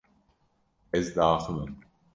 Ez diaxivim.